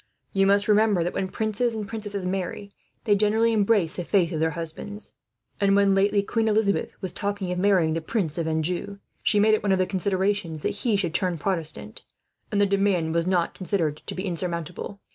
You must remember that, when princes and princesses marry, they generally embrace the faith of their husbands; and when, lately, Queen Elizabeth was talking of marrying the Prince of Anjou, she made it one of the conditions that he should turn Protestant, and the demand was not considered to be insurmountable.